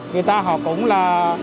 người ta họ cũng là